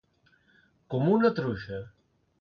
Com una truja.